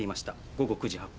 午後９時８分。